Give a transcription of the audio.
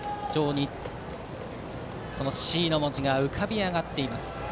Ｃの文字が浮かび上がっています